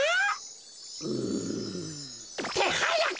うん。ってはやく！